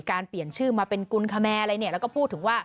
การเปลี่ยนชื่อมาเป็นกุญคแมร์แล้วก็พูดถึงว่า